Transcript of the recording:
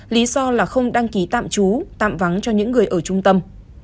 lý do là không đăng ký tạm trú tạm vắng cho những người ở trung tâm